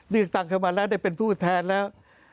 เลือกตั้งเข้ามาแล้วได้เป็นผู้แทนแล้ว